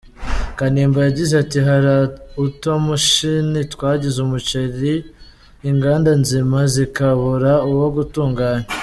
Kanimba yagize ati “Hari utumashini twangiza umuceri, inganda nzima zikabura uwo gutunganya.